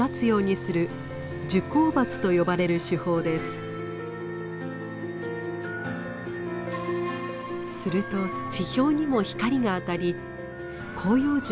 すると地表にも光が当たり広葉樹が自然に芽を出します。